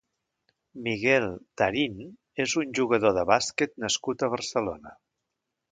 Miguel Tarín és un jugador de bàsquet nascut a Barcelona.